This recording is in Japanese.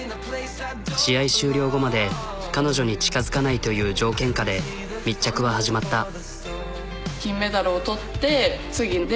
試合終了後まで彼女に近づかないという条件下で密着は始まった。